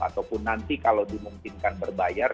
ataupun nanti kalau dimungkinkan berbayar